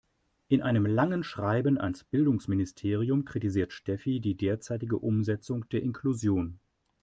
In einem langen Schreiben ans Bildungsministerium kritisiert Steffi die derzeitige Umsetzung der Inklusion.